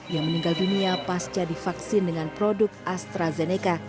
yang meninggal dunia pas jadi vaksin dengan produk astrazeneca